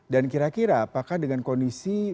dan kira kira apakah dengan kondisi